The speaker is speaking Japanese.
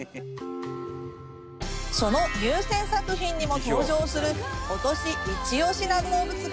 その入選作品にも登場する今年イチオシな動物が